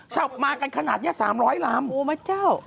ชาวมากันขนาดนี้๓๐๐ลำ